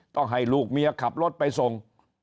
ต้องให้ลูกเมียขับรถไปส่ง